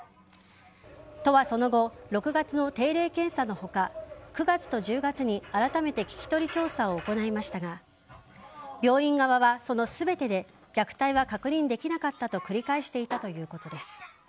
都はその後６月の定例検査の他９月と１０月にあらためて聞き取り調査を行いましたが病院側はその全てで虐待は確認できなかったと繰り返していたということです。